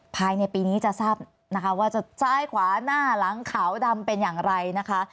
ภายในปีนี้จะทราบนะคะว่าจะซ้ายขวาหน้าหลังขาวดำเป็นอย่างไรนะคะ